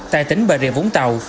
tại tỉnh bà rịa vũng tàu